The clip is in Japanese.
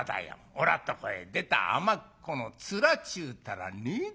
おらとこへ出たあまっこの面ちゅうたらねえだ。